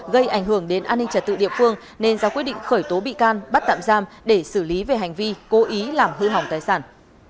gây ảnh hưởng đến an ninh trật tự địa phương nên ra quyết định khởi tố bị can bắt tạm giam để xử lý về hành vi cố ý làm hư hỏng tài sản